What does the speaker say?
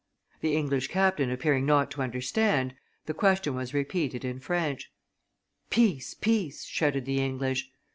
The English captain appearing not to understand, the question was repeated in French. 'Peace! peace!' shouted the English.